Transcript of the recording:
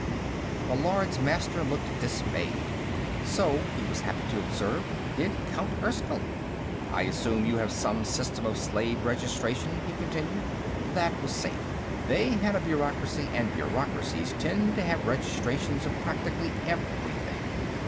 The Lords Master looked dismayed. So, he was happy to observe, did Count Erskyll. "I assume you have some system of slave registration?" he continued. That was safe. They had a bureaucracy, and bureaucracies tend to have registrations of practically everything.